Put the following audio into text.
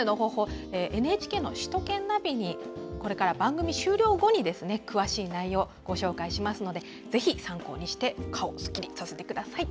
ＮＨＫの首都圏ナビにこれから番組終了後に詳しい内容をご紹介しますのでぜひ参考にして顔をすっきりさせてください。